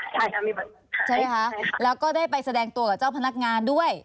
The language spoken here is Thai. ใช่ใช่ไหมคะแล้วก็ได้ไปแสดงตัวกับเจ้าพนักงานด้วย